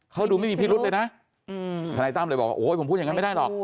เขาดูไม่มีพิรุษเลยนะทนายตั้มเลยบอกว่าโอ้ยผมพูดอย่างนั้นไม่ได้หรอก